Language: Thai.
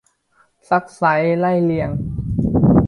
ซักไซ้ไล่เลียง